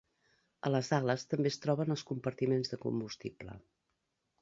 A les ales també es troben els compartiments de combustible.